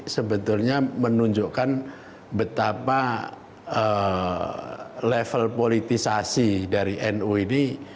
sebetulnya menunjukkan betapa level politisasi dari nu ini